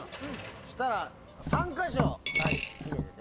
そしたら３か所切れてて。